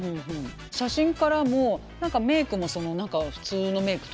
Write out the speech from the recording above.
写真からも何かメークも普通のメークというかねだし